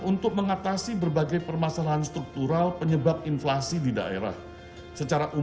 untuk mengatasi berbagai permasalahan struktural penyebab inflasi di daerah dan mempercepat kekuatan yang multiv practitioners dan juga kekuatan yang keluarga